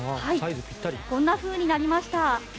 こんなふうになりました。